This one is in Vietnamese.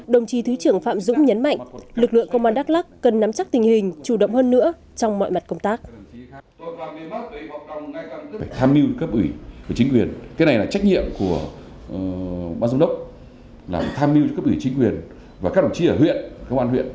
dũng nhấn mạnh lực lượng công an đắk lắc cần nắm chắc tình hình chủ động hơn nữa trong mọi mặt công tác